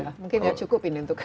mungkin nggak cukup ini untuk